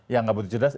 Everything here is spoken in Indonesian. yang nggak butuh cerdas